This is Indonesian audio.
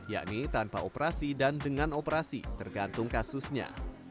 yakni tanpa operasi dan dengan operasi tergantung kasusnya